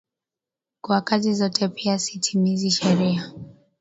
Kwa kazi zote pia, sitimizi sheria